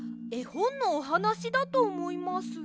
ほんのおはなしだとおもいます。